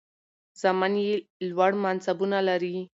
زامن یې لوړ منصبونه لري.